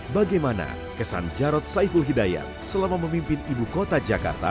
bagaimana kesan jarod saiful hidayat selama memimpin ibu kota jakarta